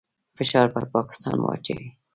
فشار پر پاکستان واچوي.